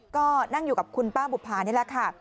ก็นั่งอยู่กับคุณป้าบุภานี่แหละค่ะ